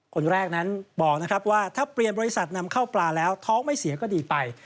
คนแรกนั้นบอกนะครับว่าถ้าเปลี่ยนบริษัทนำเข้าปลาแล้วท้องไม่เสียก็ดีไป